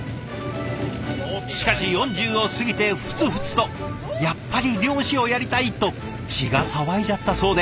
しかし４０を過ぎてふつふつとやっぱり漁師をやりたい！と血が騒いじゃったそうで。